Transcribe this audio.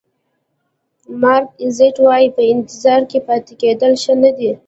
مارک ایزت وایي په انتظار کې پاتې کېدل ښه نه دي.